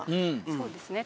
そうですね。